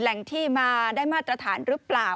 แหล่งที่มาได้มาตรฐานหรือเปล่า